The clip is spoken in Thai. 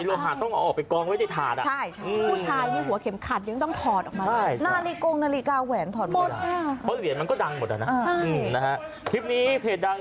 ลองหาที่ต้องกองไว้ในฐาส